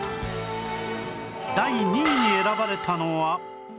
第２位に選ばれたのは